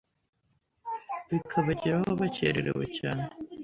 bikabageraho bakererewe cyane